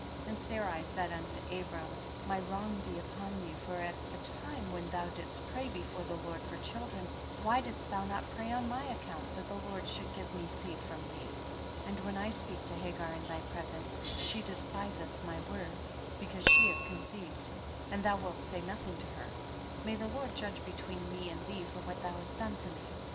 And Sarai said unto Abram, my wrong be upon thee, for at the time when thou didst pray before the Lord for children why didst thou not pray on my account, that the Lord should give me seed from thee ? 32. And when I speak to Hagar in thy presence, she despiseth my words, because, she has conceived, and thou wilt say nothing to her ; may the Lord judge between me and thee for what thou hast done to me.